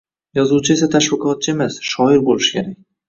Yozuvchi esa tashviqotchi emas, shoir bo`lishi kerak